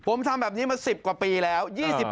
ผมทำแบบนี้มาสิบปีแล้ว๒๐